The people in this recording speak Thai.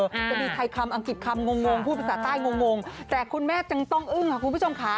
จะมีไทยคำอังกฤษคำงงพูดภาษาใต้งงแต่คุณแม่จึงต้องอึ้งค่ะคุณผู้ชมค่ะ